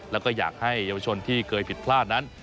แล้วก็อยากให้เยาวชนที่เคยผิดพลาดนั้น